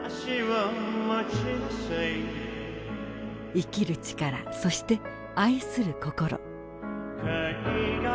生きる力そして愛する心。